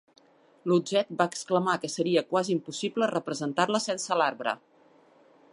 L'Utzet va exclamar que seria quasi impossible representar-la sense l'arbre.